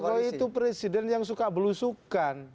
pak jokowi itu presiden yang suka belusukan